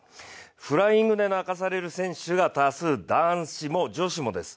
フライングで泣かされる選手が多数、男子も女子もです。